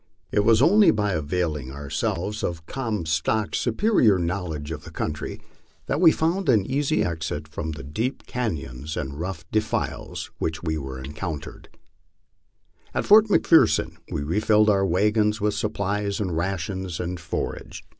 It was only by availing ourselves of Comstock's so 54 MY LIFE ON THE PLAINS. perior knowledge of the country that we found an easy exit from the deep canons and rough denies which were encountered. At Fort McPherson we refilled our wagons with supplies of rations and for age.